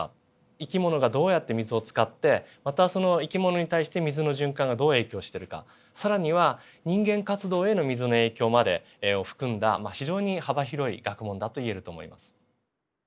生き物がどうやって水を使ってまたその生き物に対して水の循環がどう影響してるか更には人間活動への水の影響までを含んだ非常に幅広い学問だと言えると思います。